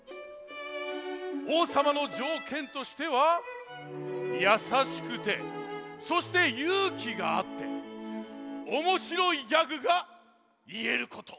おうさまのじょうけんとしてはやさしくてそしてゆうきがあっておもしろいギャグがいえること。